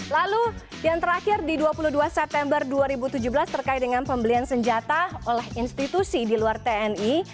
lalu yang terakhir di dua puluh dua september dua ribu tujuh belas terkait dengan pembelian senjata oleh institusi di luar tni